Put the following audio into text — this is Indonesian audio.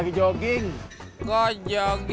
aku ga tahu yang kurang